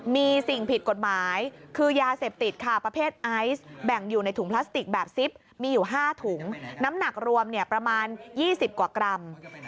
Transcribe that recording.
มีสิ่งผิดกฎหมายคือยาเสพติดค่ะ